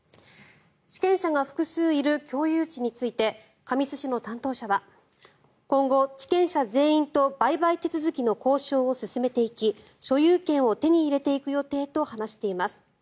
地権者が複数いる共有地について神栖市の担当者は今後、地権者全員と売買手続きの交渉を進めていき所有権を手に入れていく予定と話しています。